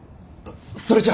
それじゃ。